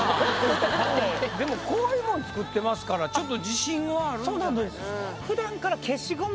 でもこういうもん作ってますからちょっとそうなんです。